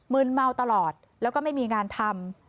ืนเมาตลอดแล้วก็ไม่มีงานทำ